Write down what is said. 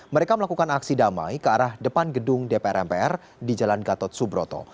mereka melakukan aksi damai ke arah depan gedung dpr mpr di jalan gatot subroto